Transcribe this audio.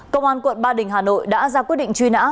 công an quận ba đình hà nội đã ra quyết định truy nã